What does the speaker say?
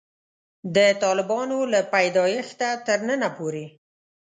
د طالبانو له پیدایښته تر ننه پورې.